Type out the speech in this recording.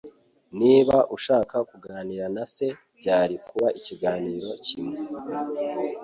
Niba ashaka kuganira na se, byari kuba ikiganiro kimwe.